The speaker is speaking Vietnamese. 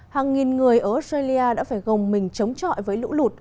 hàng nghìn người ở australia đã phải gồng mình chống chọi với lũ lụt